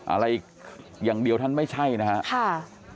อะไรอย่างเดียวท่านไม่ใช่นะครับ